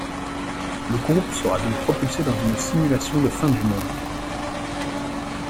Le groupe sera donc propulsé dans une simulation de fin du monde.